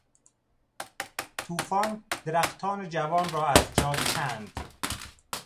توفان درختان جوان را از جا کند.